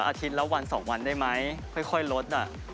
อาทิตย์ละวัน๒วันได้ไหมค่อยลด